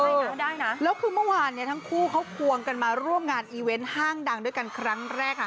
แล้วคือเมื่อวานทั้งคู่เขาควงกันมาร่วมงานอีเว้นท์ห้างดังด้วยกันครั้งแรกค่ะ